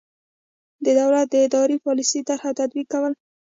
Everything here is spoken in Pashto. د دولت د اداري پالیسۍ طرح او تطبیق کول.